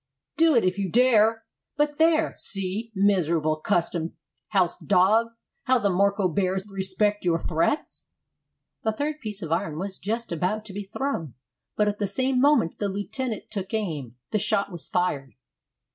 "Do it if you dare! But there, see, miserable Custom house dog, how the Mörkö Bears respect your threats!" The third piece of iron was just about to be thrown; but at the same moment the lieutenant took aim. The shot was fired.